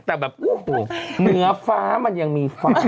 แต่แบบโอ้โหเหนือฟ้ามันยังมีฟ้า